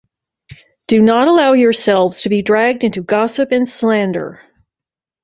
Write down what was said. Do not allow yourselves to be dragged into gossip and slander.